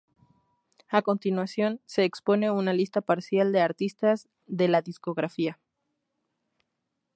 A continuación se expone una lista parcial de artistas de la discográfica.